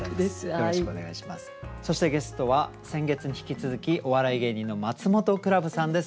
そしてゲストは先月に引き続きお笑い芸人のマツモトクラブさんです。